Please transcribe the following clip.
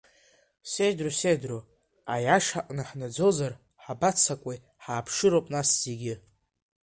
Сеидру, сеидру, аиашаҟны ҳнаӡозар, ҳабаццакуеи, ҳааԥшыроуп нас зегьы!